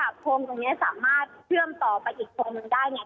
บอกตรงกันนะคะว่าถ้าพงศ์ตรงนี้สามารถเชื่อมต่อไปอีกพงศ์หนึ่งได้เนี่ย